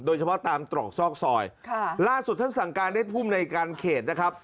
โดยเฉพาะตามตรอกซอกซอยค่ะล่าสุดท่านสั่งการให้ภูมิในการเขตนะครับ